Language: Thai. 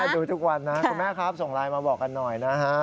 ดูทุกวันนะคุณแม่ครับส่งไลน์มาบอกกันหน่อยนะฮะ